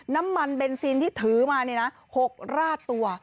น้ำมันเบนซินที่ถือมา๖ราดตัว